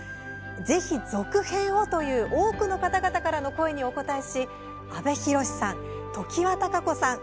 ぜひ続編をという多くの方々からの声にお応えし阿部寛さん、常盤貴子さん